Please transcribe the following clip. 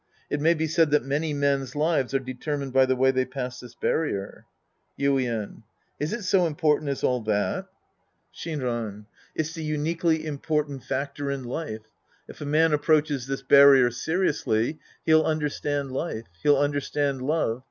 It may be said that many men's lives are determined by the way they pass this barrier. Yuien. Is it so important as all that ? U The Priest and His Disciples Act II Shinran. It's the uniquely important factor in life. If a man approaches this barrier seriously, he'll understand life. He'll understand love.